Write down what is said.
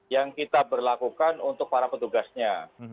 yang kita berlakukan untuk para petugasnya